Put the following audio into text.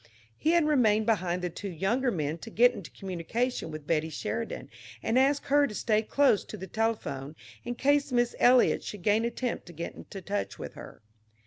He had remained behind the two younger men to get into communication with Betty Sheridan and ask her to stay close to the telephone in case Miss Eliot should again attempt to get into touch with her.